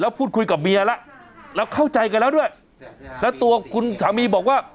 พูดคุยกับเมียแล้วแล้วเข้าใจกันแล้วด้วยแล้วตัวคุณสามีบอกว่า